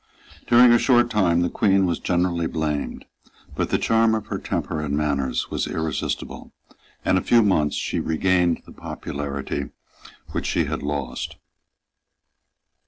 During a short time the Queen was generally blamed. But the charm of her temper and manners was irresistible; and in a few months she regained the popularity which she had lost.